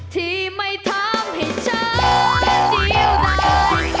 ที่ไม่ทำให้ฉันเดียวได้